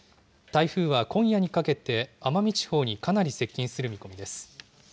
台風は今夜にかけて奄美地方にかなり接近する見込みです。